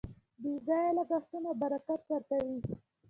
بې ځایه لګښتونه برکت ورکوي.